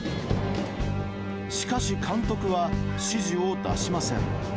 しかし、監督は指示を出しません。